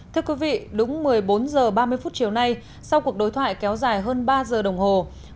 thưa quý vị đúng một mươi bốn h ba mươi phút chiều nay sau cuộc đối thoại kéo dài hơn ba giờ đồng hồ